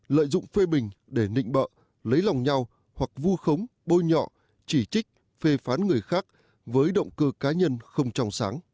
lợi dụng phê bình để nịnh bợ lấy lòng nhau hoặc vu khống bôi nhọ chỉ trích phê phán người khác với động cơ cá nhân không trong sáng